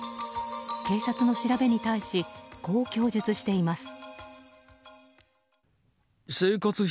警察の調べに対しこう供述しています。